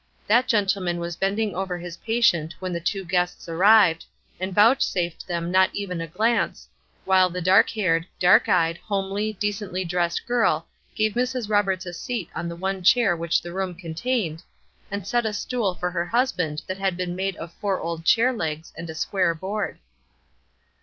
That gentleman was bending over his patient when the two guests arrived, and vouchsafed them not even a glance, while the dark haired, dark eyed, homely, decently dressed girl gave Mrs. Roberts a seat on the one chair which the room contained, and set a stool for her husband that had been made of four old chair legs and a square board.